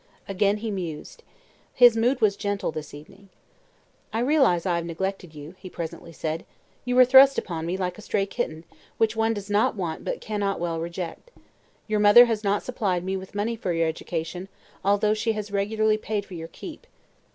Again he mused. His mood was gentle this evening. "I realize I have neglected you," he presently said. "You were thrust upon me like a stray kitten, which one does not want but cannot well reject. Your mother has not supplied me with money for your education, although she has regularly paid for your keep."